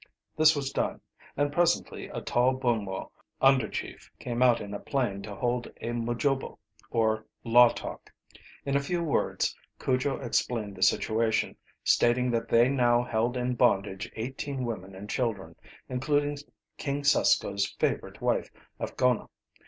This was done, and presently a tall Bumwo under chief came out in a plain to hold a mujobo, or "law talk." In a few words Cujo explained the situation, stating that they now held in bondage eighteen women and children, including King Susko's favorite wife Afgona.